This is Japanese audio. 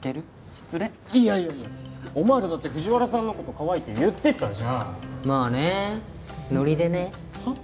失恋いやいやいやお前らだって藤原さんのことかわいいって言ってたじゃんまあねノリでねはっ？